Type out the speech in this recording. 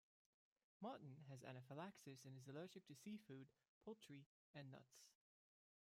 Martin has anaphylaxis and is allergic to seafood, poultry, and nuts.